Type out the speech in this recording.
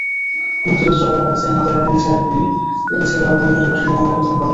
মুক্তিযুদ্ধ চলাকালে পাকিস্তানি হানাদার বাহিনীর ছোড়া গুলি লেগেছিল লালমনিরহাটের বাসিন্দা মোমেনা খাতুনের গলায়।